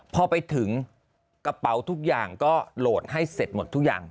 พอไปถึงกระเป๋าทุกอย่างก็โหลดให้เสร็จหมดทุกอย่าง